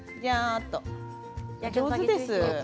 上手です。